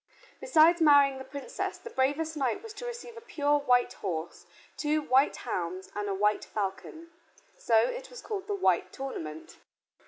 Besides marrying the Princess, the bravest knight was to receive a pure white horse, two white hounds, and a white falcon. So it was called the White Tournament.